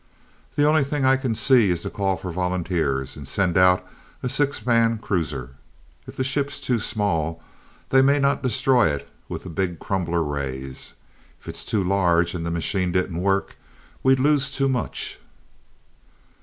"The only thing I can see is to call for volunteers and send out a six man cruiser. If the ship's too small, they may not destroy it with the big crumbler rays. If it's too large and the machine didn't work we'd lose too much."